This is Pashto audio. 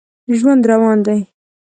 ژوند روان و.